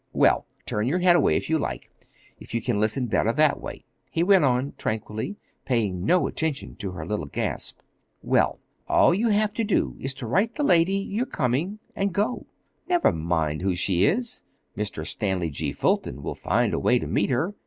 Well, turn your head away, if you like—if you can listen better that way," he went on tranquilly paying no attention to her little gasp. "Well, all you have to do is to write the lady you're coming, and go. Never mind who she is—Mr. Stanley G. Fulton will find a way to meet her.